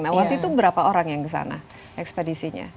nah waktu itu berapa orang yang ke sana ekspedisinya